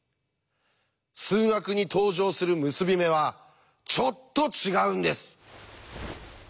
数学に登場する結び目はちょっと違うんです！